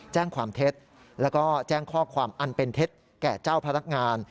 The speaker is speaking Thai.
แจ้งความเท็จแล้วก็แจ้งข้อความอันเป็นเท็จแก่เจ้าพนักงาน